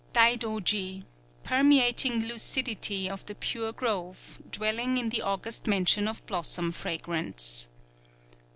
_ _Dai Dōji, Permeating Lucidity of the Pure Grove, dwelling in the August Mansion of Blossom Fragrance.